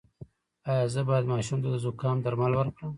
ایا زه باید ماشوم ته د زکام درمل ورکړم؟